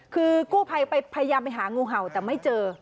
คือกู้ภัยพยายามไปหางูเห่าแต่ไม่เจอ